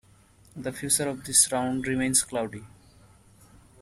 The future of this round remains cloudy.